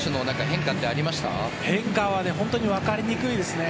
変化は本当に分かりにくいですね。